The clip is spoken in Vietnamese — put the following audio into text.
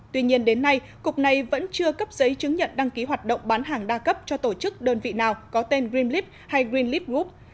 tuy nhiên đến nay cục này vẫn chưa cấp giấy chứng nhận đăng ký hoạt động bán hàng đa cấp cho tổ chức đơn vị nào có tên gremlip hay greenleat group